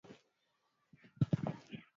slimia kamoja ni wapiga kura wachache sana